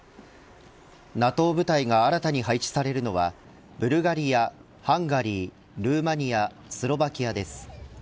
ＮＡＴＯ部隊が新たに配置されるのはブルガリア、ハンガリールーマニア、スロバキアです。